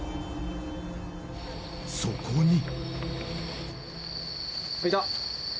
［そこに］